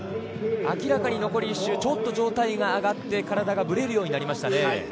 明らかに残り１周上体が上がって体がぶれるようになりましたね。